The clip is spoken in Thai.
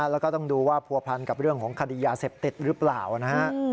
แล้วก็ต้องดูว่าผัวพันกับเรื่องของคดียาเสพติดหรือเปล่านะฮะ